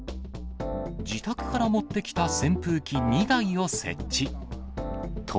自宅から持ってきた扇風機２台を設置。